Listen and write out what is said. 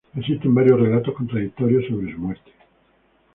Existen varios relatos contradictorios sobre su muerte.